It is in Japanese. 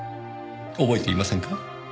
覚えていませんか？